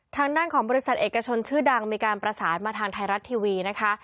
ทางด้านของบริษัทเอกชนชื่อดังมีการประสานมาทางไทยรัฐทีวีนะคะ